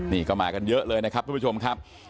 นี่ก็มากันเยอะเลยนะครับทุกผู้ชมครับ